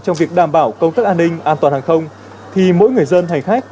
trong việc đảm bảo công tác an ninh an toàn hàng không thì mỗi người dân hành khách